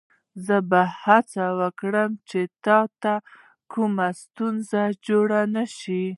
زه به هڅه وکړم چې تا ته کومه ستونزه جوړه نه شي.